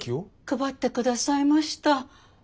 配って下さいました。